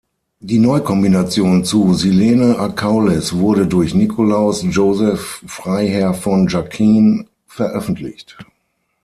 Die Neukombination zu "Silene acaulis" wurde durch Nikolaus Joseph Freiherr von Jacquin veröffentlicht.